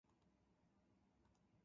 福島県川俣町